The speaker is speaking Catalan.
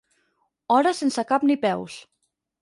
Hores sense cap ni peus.